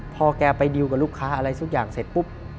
พอแกไปดิวกับลูกค้าอะไรทุกอย่างเสร็จปุ๊บ